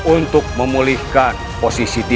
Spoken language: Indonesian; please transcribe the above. untuk memulihkan posisi dinda